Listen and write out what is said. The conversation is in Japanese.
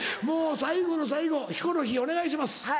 もう最後の最後ヒコロヒーお願いします。